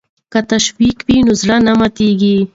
که تشویق وي نو زړه نه ماتیږي.